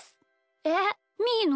えっみーの？